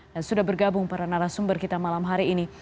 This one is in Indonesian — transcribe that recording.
dan sudah bergabung para narasumber kita malam hari ini